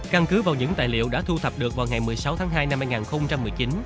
căn cứ vào những tài liệu đã thu thập được vào ngày một mươi sáu tháng hai năm hai nghìn một mươi chín